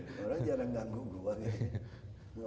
orang jarang mengganggu gue